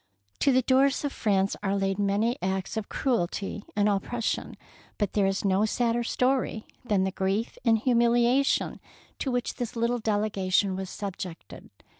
To the doors of France are laid many acts of cruelty and oppression, but there is no sadder story than the grief and humiliation to which this little 195 DEEDS OF DARING delegation was subjected.